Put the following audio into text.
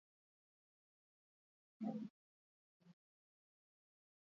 Nerbio-sistema zentralean jarduten dute, mina transmititzen duten nerbio-zuntzak inhibituz.